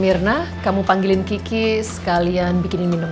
mirna kamu panggilin kiki sekalian bikinin minum